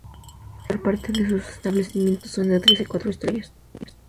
La mayor parte de sus establecimientos son de tres y cuatro estrellas.